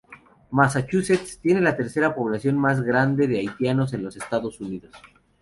Massachusetts tiene la tercera población más grande de haitianos en los Estados Unidos.